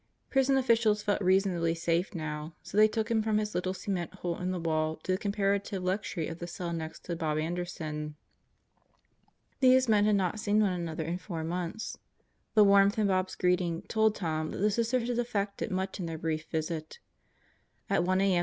Prison officials felt reasonably safe now, so they took him from his little cement hole in the wall to the comparative luxury of the cell next to Bob Anderson. These men had not seen one another in four months. The warmth in Bob's greeting told Tom that the Sisters had effected much in their brief visit. At 1 a.m.